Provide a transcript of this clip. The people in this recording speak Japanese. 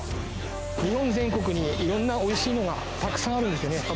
日本全国にいろんなおいしいものがたくさんあるんですよね。